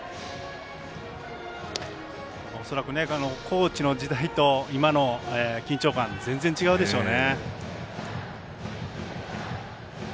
恐らく、コーチの時代と今の緊張感全然、違うでしょうね。